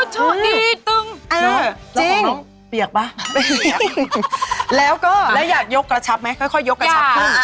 อ๋อชอบดีตึงจริงแล้วก็แล้วอยากยกกระชับไหมค่อยยกกระชับขึ้น